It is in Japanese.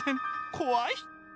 怖い！